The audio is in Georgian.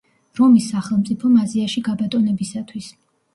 რომის სახელმწიფომ აზიაში გაბატონებისათვის.